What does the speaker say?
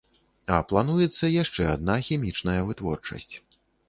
А плануецца яшчэ адна хімічная вытворчасць.